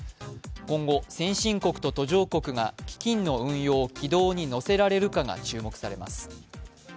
今後、先進国と途上国が基金の運用を軌道に乗せられるかが注目されます。